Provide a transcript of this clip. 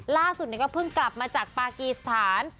ล่าสุดก็เพิ่งกลับมาจากปากีสถาน